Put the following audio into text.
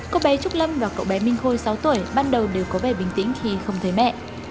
cô bé trúc lâm và cậu bé minh khôi sáu tuổi ban đầu đều có vẻ bình tĩnh khi không thấy mẹ